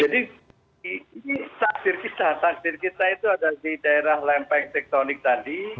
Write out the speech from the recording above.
jadi ini takdir kita takdir kita itu ada di daerah lempeng tektonik tadi